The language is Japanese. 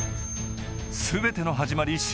全ての始まり